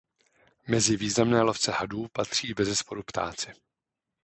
Mezi významné lovce hadů patří bezesporu ptáci.